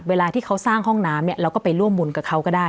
เวลาที่เขาสร้างห้องน้ำเนี่ยเราก็ไปร่วมบุญกับเขาก็ได้